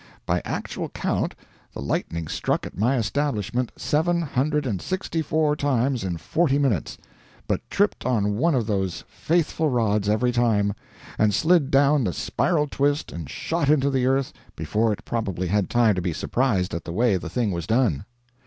By actual count, the lightning struck at my establishment seven hundred and sixty four times in forty minutes, but tripped on one of those faithful rods every time, and slid down the spiral twist and shot into the earth before it probably had time to be surprised at the way the thing was done.